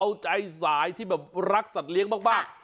เอาใจสายที่แบบรักสัตว์เลี้ยงมาก